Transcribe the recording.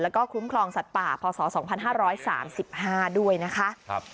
แล้วก็คุ้มครองสัตว์ป่าพศ๒๕๓๕ด้วยนะคะ